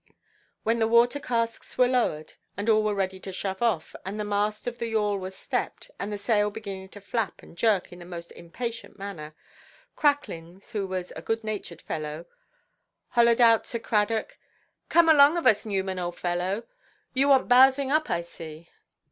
When the water–casks were lowered, and all were ready to shove off, and the mast of the yawl was stepped, and the sail beginning to flap and jerk in a most impatient manner, Cracklins, who was a good–natured fellow, hollaed out to Cradock— "Come along of us, Newman, old fellow. You want bowsing up, I see.